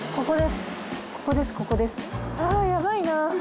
ここです。